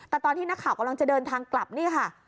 แต่ตอนที่นักข่าวกำลังจะเดินทางกลับนี่ค่ะ